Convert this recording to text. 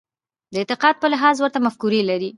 د اعتقاد په لحاظ ورته مفکورې لري.